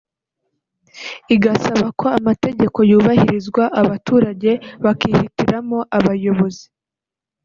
igasaba ko amategeko yubahirizwa abaturage bakihitiramo abayobozi